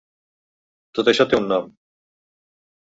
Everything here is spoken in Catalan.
Tot això té un nom.